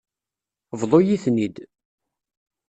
Bḍu-yi-ten-id.